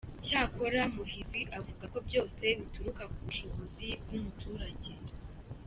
Cyakora Muhizi avuga ko byose bituruka ku bushobozi bw’umuturage.